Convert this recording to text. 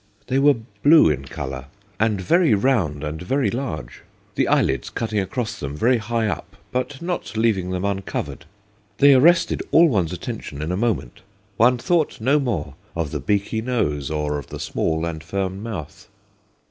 They were blue in colour, 160 THE GHOSTS OF PICCADILLY and very round and very large ... the eyelids cutting across them very high up, but not leaving them uncovered. They arrested all one's attention in a moment. One thought no more of the beaky nose, or of the small and firm mouth.